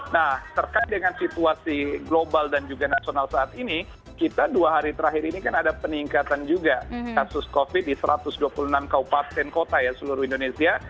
nah terkait dengan situasi global dan juga nasional saat ini kita dua hari terakhir ini kan ada peningkatan juga kasus covid di satu ratus dua puluh enam kaupaten kota ya seluruh indonesia